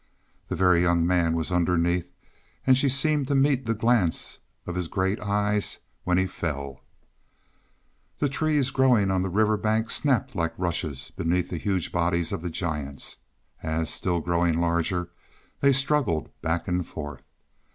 The Very Young Man was underneath, and she seemed to meet the glance of his great eyes when he fell. The trees growing on the river bank snapped like rushes beneath the huge bodies of the giants, as, still growing larger, they struggled back and forth.